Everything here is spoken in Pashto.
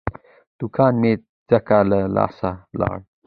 دوکان مې ځکه له لاسه لاړ.